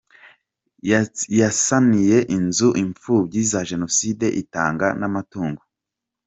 yasaniye inzu imfubyi za Jenoside itanga n’amatungo